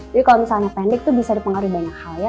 jadi kalau misalnya pendek tuh bisa dipengaruhi banyak hal ya